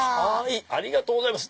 ありがとうございます。